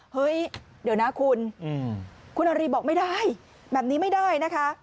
เฮ้ยเดี๋ยวนะคุณคุณอารีบอกไม่ได้แบบนี้ไม่ได้นะคะ